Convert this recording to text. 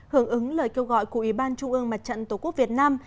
hưởng ứng lời kêu gọi của ủy ban trung ương mặt trận tổ quốc việt nam